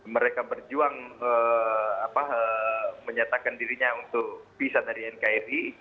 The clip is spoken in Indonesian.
mereka berjuang menyatakan dirinya untuk bisa dari nkri